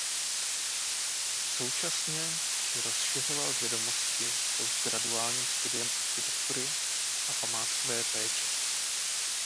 Současně si rozšiřoval vědomosti postgraduálním studiem architektury a památkové péče.